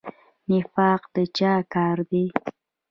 نفاق د چا کار دی؟